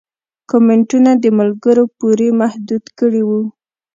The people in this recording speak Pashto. کمنټونه د ملګرو پورې محدود کړي وو